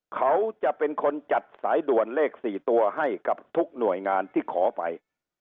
เขาจะเป็นคนจัดสายด่วนเลข๔ตัวให้กับทุกหน่วยงานที่ขอไป